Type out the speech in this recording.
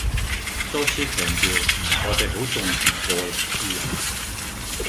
再次強調我哋好重視個人私隱